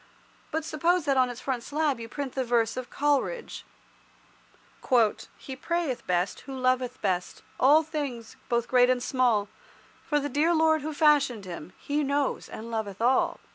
But suppose that on its front slab you print the verse of Coleridge— "He prayeth best who loveth best All things, both great and small For the dear Lord who fashioned him He knows and loveth all."